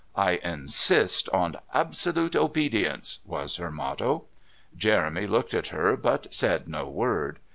"I insist on absolute obedience," was her motto. Jeremy looked at her but said no word.